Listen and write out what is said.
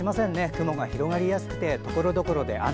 雲が広がりやすくてところどころで雨。